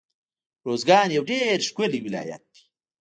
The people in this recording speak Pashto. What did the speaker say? روزګان يو ډير ښکلی ولايت دی